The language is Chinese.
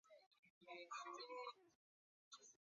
经过很久，她才渐渐从伤痛恢复